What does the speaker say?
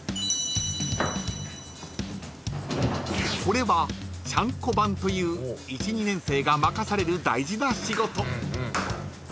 ［これはちゃんこ番という１２年生が任される大事な仕事］